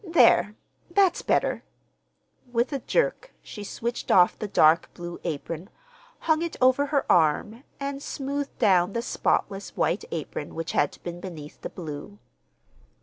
There, that's better!" With a jerk she switched off the dark blue apron, hung it over her arm, and smoothed down the spotless white apron which had been beneath the blue.